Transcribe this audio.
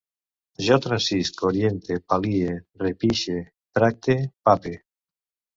Jo transisc, oriente, pal·lie, repixe, tracte, pape